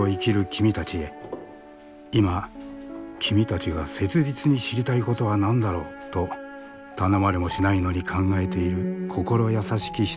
今君たちが切実に知りたいことは何だろう？と頼まれもしないのに考えている心優しき人たちがいる。